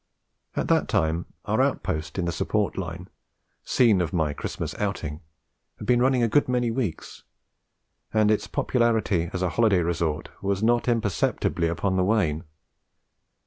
At that time our outpost in the support line, scene of my Christmas outing, had been running a good many weeks; and its popularity as a holiday resort was not imperceptibly upon the wane.